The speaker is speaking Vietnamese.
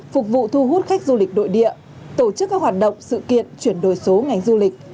phục vụ thu hút khách du lịch nội địa tổ chức các hoạt động sự kiện chuyển đổi số ngành du lịch